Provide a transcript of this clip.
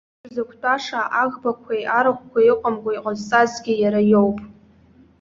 Шәзықәтәаша аӷбақәеи арахәқәеи ыҟамкәа иҟазҵазгьы иара иоуп.